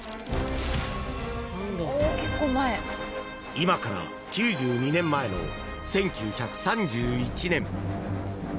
［今から９２年前の１９３１年］